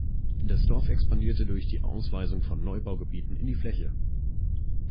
Das Dorf expandierte durch die Ausweisung von Neubaugebieten in die Fläche.